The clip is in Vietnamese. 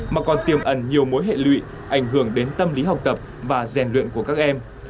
mà còn tiềm ẩn nhiều mối hệ lụy ảnh hưởng đến tâm lý học tập và rèn luyện của các em